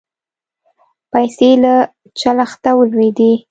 پیسې له چلښته ولوېدې.